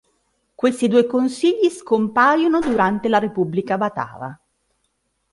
Questi due consigli scompaiono durante la Repubblica Batava.